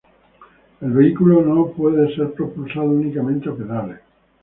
El vehículo no puede ser propulsado únicamente a pedales.